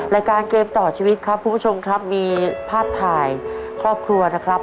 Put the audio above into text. รายการเกมต่อชีวิตครับคุณผู้ชมครับมีภาพถ่ายครอบครัวนะครับ